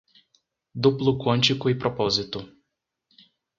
Duplo quântico e propósito